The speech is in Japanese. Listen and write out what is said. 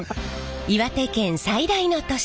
岩手県最大の都市